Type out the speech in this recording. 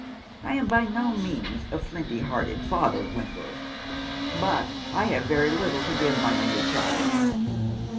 I am by no means a flinty hearted father, Wentworth. But I have very little to give my only child."